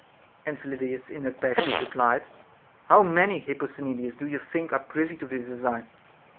And Phyllidas in a passion replied, How many, Hipposthe nides, do you think are privy to this design?